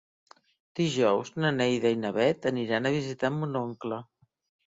Dijous na Neida i na Bet aniran a visitar mon oncle.